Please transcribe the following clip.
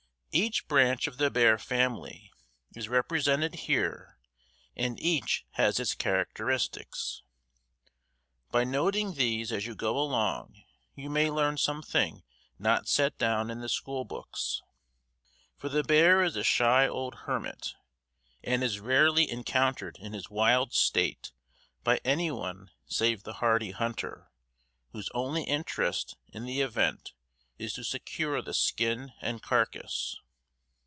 Each branch of the bear family is represented here and each has its characteristics. By noting these as you go along you may learn something not set down in the schoolbooks. For the bear is a shy old hermit and is rarely encountered in his wild state by anyone save the hardy hunter, whose only interest in the event is to secure the skin and carcass.